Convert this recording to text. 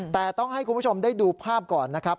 แต่ต้องให้คุณผู้ชมได้ดูภาพก่อนนะครับ